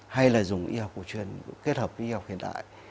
hay là dùng y học cổ truyền kết hợp với y học hiện đại